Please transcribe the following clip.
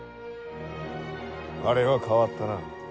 あれは変わったな。